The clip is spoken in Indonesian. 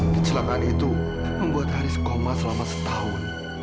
kecelakaan itu membuat haris koma selama setahun